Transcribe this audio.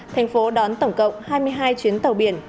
thành phố đón tổng cộng hai mươi hai chuyến tàu biển